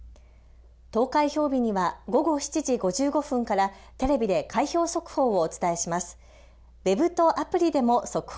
投開票日には、午後７時５５分から、テレビで開票速報をお伝えします。